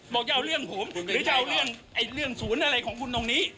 บอกจะเอาเรื่องผมหรือจะเอาเรื่องศูนย์อะไรของคุณตรงนี้